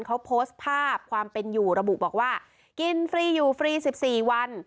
เขาโพสต์ภาพความเป็นอยู่ระบุบอกว่ากินฟรีอยู่ฟรี๑๔วัน